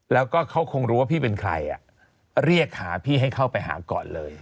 แล้วก็เขาคงรู้ว่าพี่เป็นใครเรียกหาพี่ให้เข้าไปหาก่อนเลย